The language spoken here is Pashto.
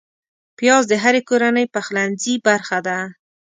پیاز د هرې کورنۍ پخلنځي برخه ده